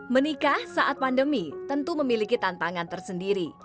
menikah saat pandemi tentu memiliki tantangan tersendiri